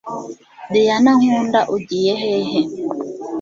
dyna nkunda ugiye hehe